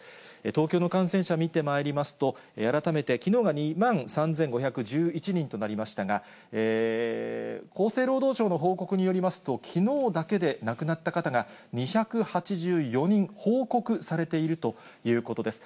東京の感染者見てまいりますと、改めて、きのうが２万３５１１人となりましたが、厚生労働省の報告によりますと、きのうだけで、亡くなった方が２８４人報告されているということです。